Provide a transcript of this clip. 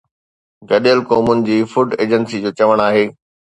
گڏيل قومن جي فوڊ ايجنسي جو چوڻ آهي